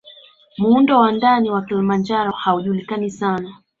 Muundo wa ndani wa Kilimanjaro haujulikani sana